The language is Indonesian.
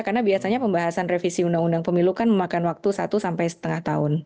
karena biasanya pembahasan revisi undang undang pemilu kan memakan waktu satu sampai setengah tahun